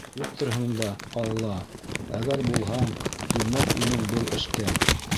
«Юҡтырһың да, Алла, әгәр булһаң, түҙмәҫ инең был эшкә».